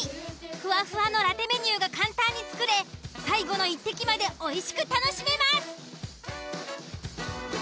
ふわふわのラテメニューが簡単に作れ最後の１滴までおいしく楽しめます。